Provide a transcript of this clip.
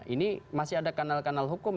ini masih ada kanal kanal hukum